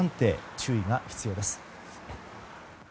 注意が必要です。